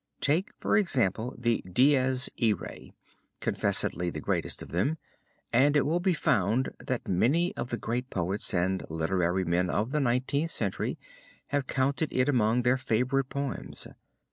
Take for example the Dies Irae, confessedly the greatest of them, and it will be found that many of the great poets and literary men of the Nineteenth Century have counted it among their favorite poems.